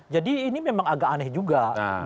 jadi ini memang agak aneh juga